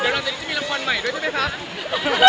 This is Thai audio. เราจะจงมีละครใหม่ย์ด้วยใช่ไหมคะ